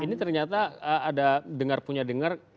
ini ternyata ada dengar punya dengar